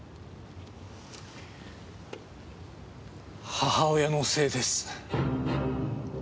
母親のせいです。